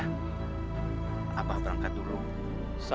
kamu juga hati hati di rumah ya